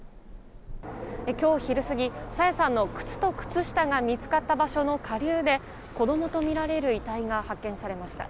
今日昼過ぎ、朝芽さんの靴と靴下が見つかった場所の下流で子供とみられる遺体が発見されました。